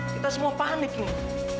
kita semua panik nih